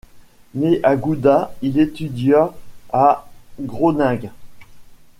Né à Gouda, il étudia à Groningue.